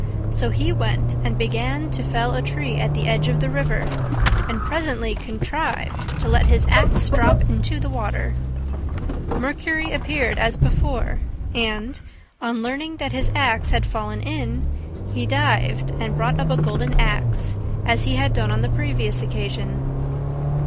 So he went and began to fell a tree at the edge of the river, and presently contrived to let his axe drop into the water. Mercury appeared as before, and, on learning that his axe had fallen in, he dived and brought up a golden axe, as he had done on the previous occasion.